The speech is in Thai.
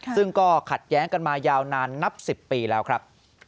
ซึ่งก็ขัดแย้งกันมายาวนานนับ๑๐ปีแล้วครับ